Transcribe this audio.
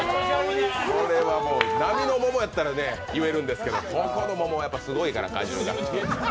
これは並の桃やったら言えるんですけど、ここのはすごいですから、果汁が。